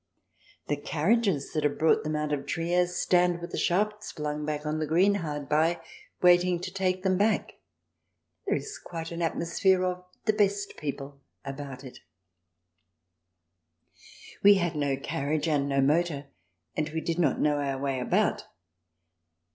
The carriages that have brought them out of Trier stand with the shafts flung back on the green hard by, waiting to take CH. VI] BEER GARDENS 8i them back. There is quite an atmosphere of " the best people " about it all. We had no carriage and no motor_, and we did not know our way about.